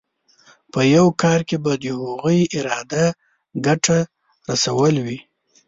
په یو کار کې به د هغوی اراده ګټه رسول وي.